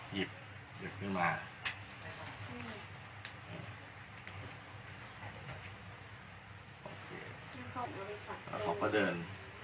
พี่เดิน